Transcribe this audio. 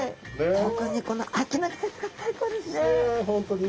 特にこの秋の季節が最高ですね。